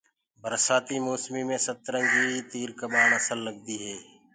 برسآتي موسمو مي سترنگيٚ ڪٻآڻ اسل لگدي هي